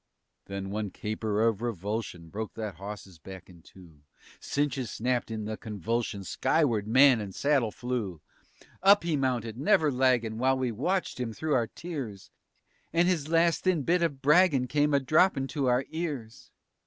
_" Then one caper of repulsion Broke that hawse's back in two. Cinches snapped in the convulsion; Skyward man and saddle flew. Up he mounted, never laggin', While we watched him through our tears, And his last thin bit of braggin' Came a droppin' to our ears.